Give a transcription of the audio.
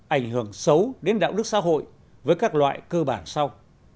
ảnh hưởng xấu đến đạo đức xã hội với các loại cơ bản sau